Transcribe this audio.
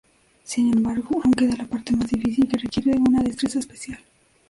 Sin embargo, aún queda la parte más difícil, que requiere una destreza especial.